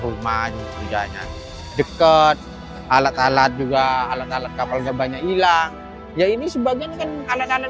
rumah aja deket alat alat juga alat alat kapal gabahnya hilang ya ini sebagian kan alat alat